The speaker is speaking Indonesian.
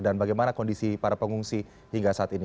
dan bagaimana kondisi para pengungsi hingga saat ini